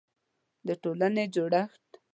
د ټولنې جوړښت